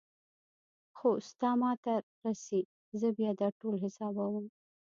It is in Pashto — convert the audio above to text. خو ستا ما ته رسي زه بيا دا ټول حسابوم.